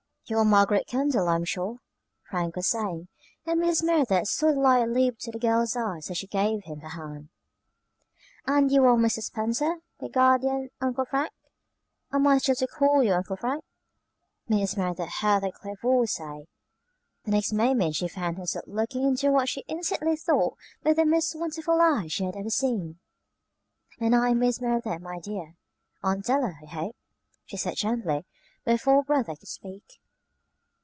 "You are Margaret Kendall, I am sure," Frank was saying; and Mrs. Merideth saw the light leap to the girl's eyes as she gave him her hand. "And you are Mr. Spencer, my guardian 'Uncle Frank.' Am I still to call you 'Uncle Frank'?" Mrs. Merideth heard a clear voice say. The next moment she found herself looking into what she instantly thought were the most wonderful eyes she had ever seen. "And I am Mrs. Merideth, my dear 'Aunt Della,' I hope," she said gently, before her brother could speak.